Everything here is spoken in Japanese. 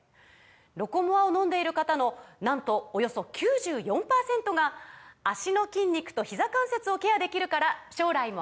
「ロコモア」を飲んでいる方のなんとおよそ９４％が「脚の筋肉とひざ関節をケアできるから将来も安心！」とお答えです